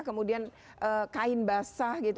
kemudian kain basah gitu